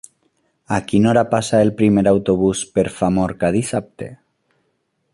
A quina hora passa el primer autobús per Famorca dissabte?